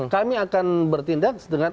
kami akan bertindak dengan